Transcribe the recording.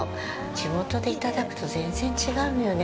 地元でいただくと全然違うのよね